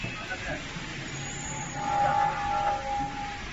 د خاوند یې نفس تنګ په واویلا وو٫